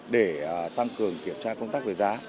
để tăng cường kiểm tra công tác về giá